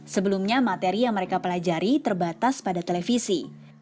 sebelumnya materi yang mereka pelajari terbatas pada televisi